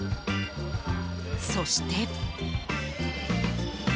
そして。